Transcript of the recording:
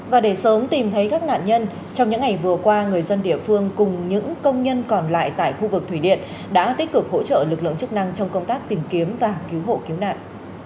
và để sớm tìm thấy các nạn nhân trong những ngày vừa qua người dân địa phương cùng những công nhân còn lại tại khu vực thủy điện đã tích cực hỗ trợ lực lượng chức năng trong công tác tìm kiếm và cứu hộ cứu nạn